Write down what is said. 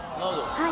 はい。